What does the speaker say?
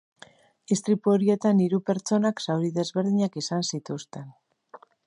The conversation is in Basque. Istripu horietan hiru pertsonak zauri desberdinak izan zituzten.